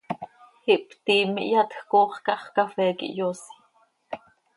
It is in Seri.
Ihptiim, ihyatj coox cah x, cafee quih hyoosi.